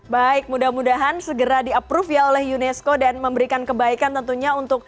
baik mudah mudahan segera di approve ya oleh unesco dan memberikan kebaikan tentunya untuk